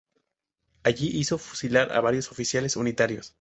Allí hizo fusilar a varios oficiales unitarios.